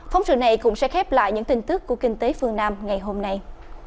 phóng sự này cũng sẽ khép lại những tin tức của kinh tế phương nam ngày hôm nay